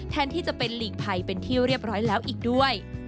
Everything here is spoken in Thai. แทนที่จะเป็นหลีกภัยเป็นที่เรียบร้อยแล้วอีกด้วย